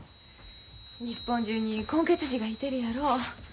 日本中に混血児がいてるやろ。